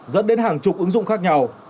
dẫn đến hàng chục ứng dụng khác